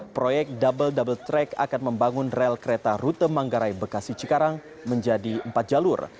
proyek double double track akan membangun rel kereta rute manggarai bekasi cikarang menjadi empat jalur